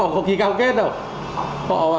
cái này nó chỉ là